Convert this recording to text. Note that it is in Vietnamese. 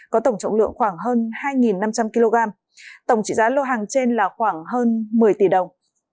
có tổng trọng lượng khoảng hơn hai năm trăm linh kg tổng trị giá lô hàng trên là khoảng hơn một mươi tỷ đồng